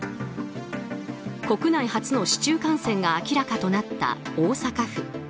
国内初の市中感染が明らかとなった大阪府。